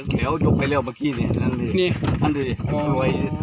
เดี๋ยวยกไปเร็วเมื่อกี้เนี่ย